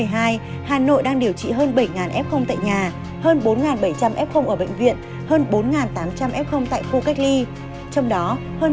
hà nội đang điều trị hơn bảy f tại nhà hơn bốn bảy trăm linh f ở bệnh viện hơn bốn tám trăm linh f tại khu cách ly trong đó